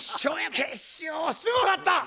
決勝すごかった！